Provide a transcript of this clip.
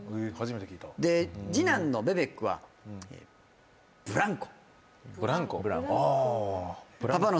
次男のベベックはブランコ。